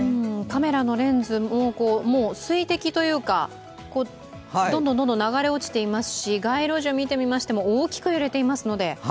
カメラのレンズも水滴というか、どんどん流れ落ちていますし街路樹見てみましても、大きく揺れていますので。